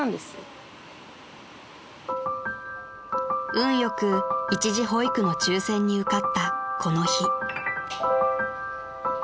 ［運よく一時保育の抽選に受かったこの日］